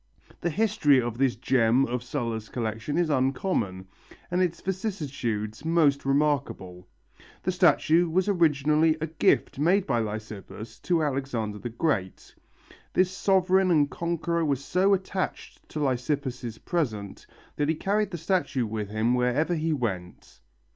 The history of this gem of Sulla's collection is uncommon, and its vicissitudes most remarkable. The statue was originally a gift made by Lysippus to Alexander the Great. This sovereign and conqueror was so attached to Lysippus' present that he carried the statue with him wherever he went.